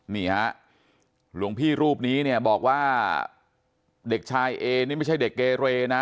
นี่ฮะหลวงพี่รูปนี้เนี่ยบอกว่าเด็กชายเอนี่ไม่ใช่เด็กเกเรนะ